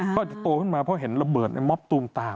ก็จะโตขึ้นมาเพราะเห็นระเบิดในม็อบตูมตาม